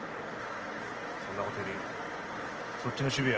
そんなことよりそっちの首尾は？